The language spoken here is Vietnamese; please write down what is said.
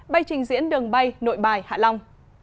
bay trình diễn đường bay nội bài hạ long